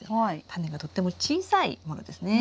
タネがとっても小さいものですね。